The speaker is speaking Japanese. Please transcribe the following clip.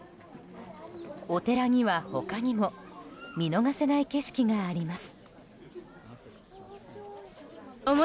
お寺には他にも見逃せない景色があります。